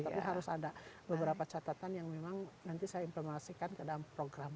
tapi harus ada beberapa catatan yang memang nanti saya informasikan ke dalam program